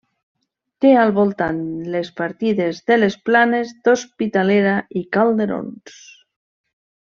Té al voltant les partides de les Planes, l'Hospitalera i Calderons.